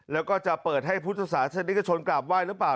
แล้วก็จะเปิดให้พุทธศาสนิกชนกราบไห้หรือเปล่า